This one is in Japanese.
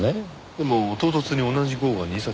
でも唐突に同じ号が２冊。